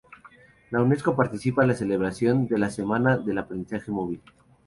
La Unesco participa en la celebración de la Semana del Aprendizaje Móvil.